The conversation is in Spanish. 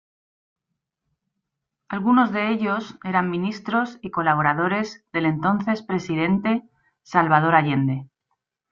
Algunos de ellos eran ministros y colaboradores del entonces Presidente Salvador Allende.